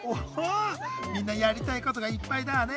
みんなやりたいことがいっぱいだね。